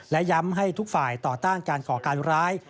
และย้ำให้ทุกฝ่ายต่อต้านการก่อการร้าย